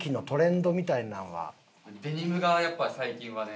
デニムがやっぱ最近はね。